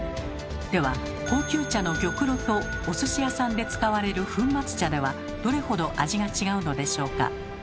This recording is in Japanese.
では高級茶の玉露とお寿司屋さんで使われる粉末茶ではどれほど味が違うのでしょうか？